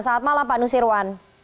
selamat malam pak nusirwan